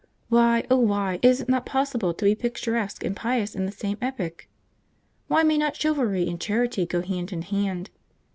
Why, oh why, is it not possible to be picturesque and pious in the same epoch? Why may not chivalry and charity go hand in hand?